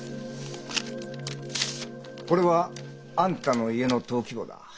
これはあんたの家の登記簿だ。